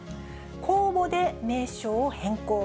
公募で名称を変更。